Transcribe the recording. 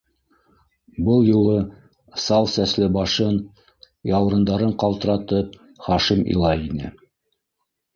Был юлы сал сәсле башын, яурындарын ҡалтыратып Хашим илай ине.